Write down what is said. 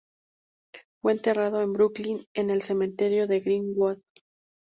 Fue enterrado en Brooklyn en el cementerio de "Green-Wood".